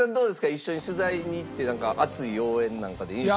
一緒に取材に行って熱い応援なんかで印象。